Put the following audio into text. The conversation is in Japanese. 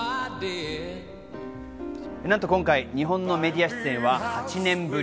なんと今回、日本のメディア出演は８年ぶり。